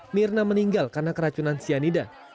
mirna meninggal karena keracunan cyanida